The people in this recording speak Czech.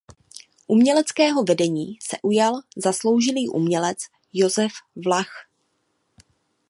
Uměleckého vedení se ujal zasloužilý umělec Josef Vlach.